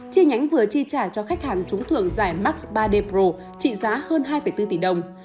chia nhánh vừa tri trả cho khách hàng trúng thưởng giải max ba d pro trị giá hơn hai bốn tỷ đồng